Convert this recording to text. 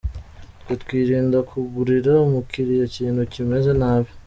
Twe twirinda kugurira umukiriya ikintu kimeze nabi.